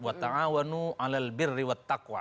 apa itu artinya